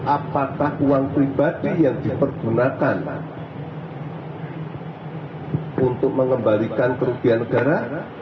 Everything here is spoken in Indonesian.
apakah uang pribadi yang dipergunakan untuk mengembalikan kerugian negara